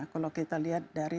kalau kita lihat dari